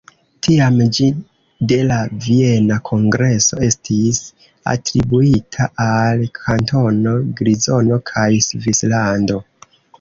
Tiam ĝi de la Viena Kongreso estis atribuita al Kantono Grizono kaj Svislando.